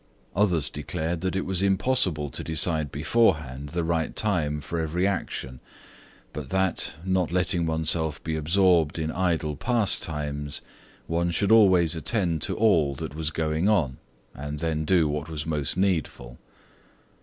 Others declared that it was impossible to decide beforehand the right time for every action; but that, not letting oneself be absorbed in idle pastimes, one should always attend to all that was going on, and then do what was most needful.